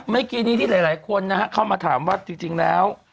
เมื่อกี้นี้ที่หลายคนนะฮะเข้ามาถามว่าจริงแล้ว